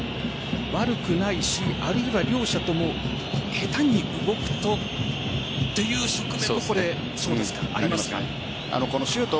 悪くないしあるいは両者とも下手に動くとという側面もありますか？